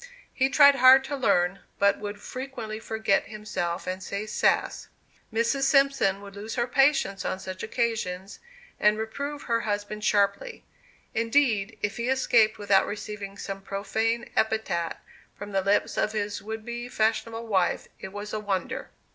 He tried hard to learn, but would frequently forget himself and say "sass." Mrs. Simpson would lose her patience on such occasions, and reprove her husband sharply. Indeed, if he escaped without receiving some profane epithet from the lips of his would be fashionable wife, it was a wonder.